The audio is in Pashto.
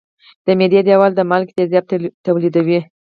د معدې دېوال د مالګي تیزاب تولیدوي.